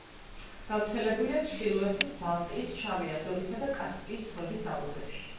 გავრცელებულია ჩრდილოეთის, ბალტიის, შავი, აზოვისა და კასპიის ზღვების აუზებში.